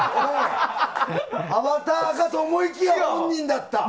アバターかと思いきや本人だった。